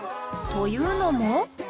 というのも？